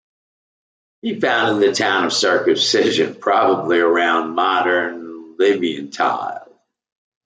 He founded the "town of the Circumcision", probably around modern Laventille.